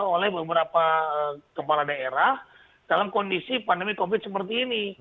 oleh beberapa kepala daerah dalam kondisi pandemi covid seperti ini